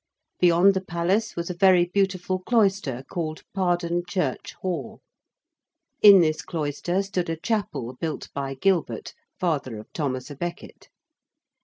Beyond the Palace was a very beautiful cloister called Pardon Church Haugh. In this cloister stood a chapel built by Gilbert, father of Thomas à Becket.